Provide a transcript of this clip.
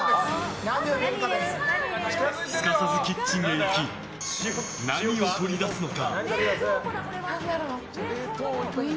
すかさずキッチンへ行き何を取り出すのか？